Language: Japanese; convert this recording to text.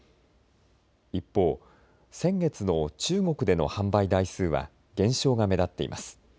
一方、先月の中国での販売台数は減少が目立っています。